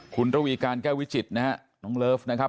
คุณระวีการแก้ววิจิตรนะฮะน้องเลิฟนะครับ